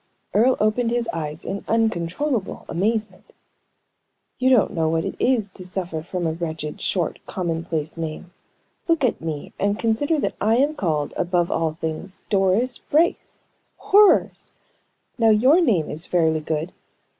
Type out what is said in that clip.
Earle opened his eyes in uncontrollable amazement. "You don't know what it is to suffer from a wretched, short, commonplace name. Look at me, and consider that I am called, above all things, Doris Brace! Horrors! Now, your name is fairly good.